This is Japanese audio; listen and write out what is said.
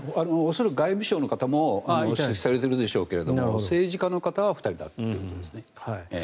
恐らく外務省の方も同席されているでしょうけれど政治家の方は２人だったということですね。